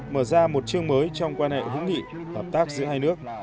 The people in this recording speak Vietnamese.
mở ra một chương mới trong quan hệ hữu nghị hợp tác giữa hai nước